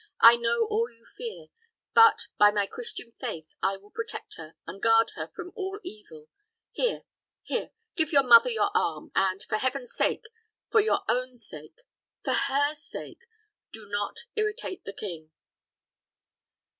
I know all you fear; but, by my Christian faith, I will protect her, and guard her from all evil. Here, here give your mother your arm; and, for Heaven's sake, for your own sake, for her sake, do not irritate the king."